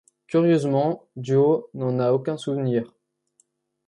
Curieusement, Joe n'en a aucun souvenir.